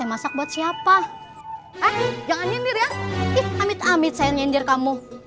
masak buat siapa eh jangan nyendir ya amit amit saya nyanyir kamu